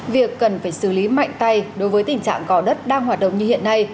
việc cần phải xử lý mạnh tay đối với tình trạng gò đất đang hoạt động như hiện nay